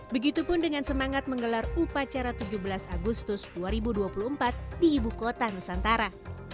begitupun dengan semangat menggelar upacara tujuh belas agustus dua ribu dua puluh empat di ibu kota nusantara